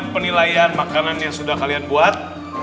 penilaian makanan yang sudah kalian buat